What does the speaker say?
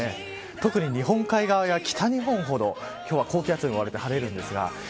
特に日本海側や北日本ほど今日は高気圧に覆われて晴れます。